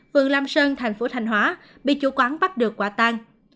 vườn lam sơn thành phố thành hóa bị chủ quán bắt được quả tan